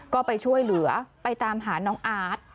ก็ไปช่วยเหลือไปตามหาน้องอาร์ต